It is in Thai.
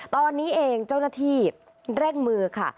ตอนนี้เองเจ้าหน้าที่เร่งมือค่ะ